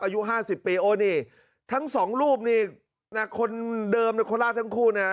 อายุ๕๐ปีโอ้นี่ทั้งสองรูปนี่นะคนเดิมในโคราชทั้งคู่นะ